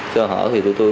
cho họ thì tụi tôi